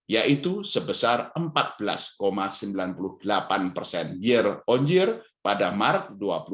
yaitu sebesar empat belas sembilan puluh delapan persen year on year pada maret dua ribu dua puluh